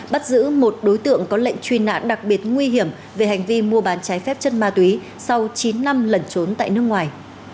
bắt giữ một đối tượng có lệnh truy nã đặc biệt nguy hiểm về hành vi mua bán trái phép chất ma túy sau chín năm lẩn trốn tại nước ngoài